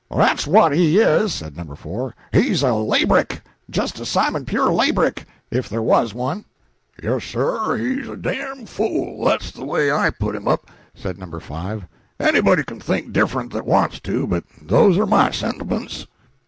"That's what he is," said No. 4, "he's a labrick just a Simon pure labrick, if ever there was one." "Yes, sir, he's a dam fool, that's the way I put him up," said No. 5. "Anybody can think different that wants to, but those are my sentiments."